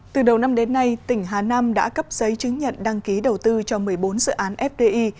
từ đầu năm đến nay tỉnh hà nam đã cấp giấy chứng nhận đăng ký đầu tư cho một mươi bốn dự án fdi